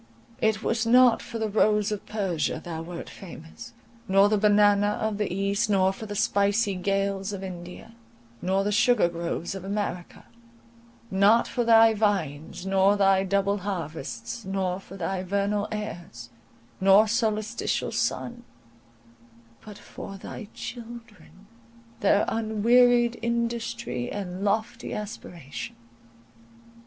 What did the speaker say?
It was not for the rose of Persia thou wert famous, nor the banana of the east; not for the spicy gales of India, nor the sugar groves of America; not for thy vines nor thy double harvests, nor for thy vernal airs, nor solstitial sun—but for thy children, their unwearied industry and lofty aspiration.